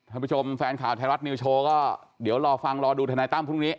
ท่านผู้ชมแฟนข่าวไทยรัฐนิวโชว์ก็เดี๋ยวรอฟังรอดูทนายตั้มพรุ่งนี้